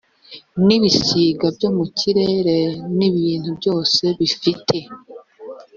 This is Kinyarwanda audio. n ibisiga byo mu kirere n ibintu byose bifite